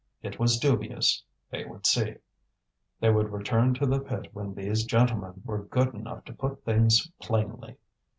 It was dubious; they would see. They would return to the pit when these gentlemen were good enough to put things plainly.